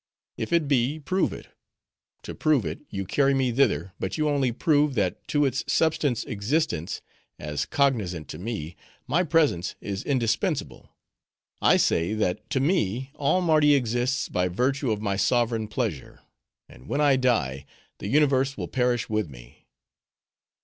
If it be, prove it. To prove it, you carry me thither but you only prove, that to its substantive existence, as cognizant to me, my presence is indispensable. I say that, to me, all Mardi exists by virtue of my sovereign pleasure; and when I die, the universe will perish with me."